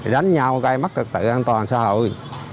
đánh nhau gây mất trực tự an toàn xã hội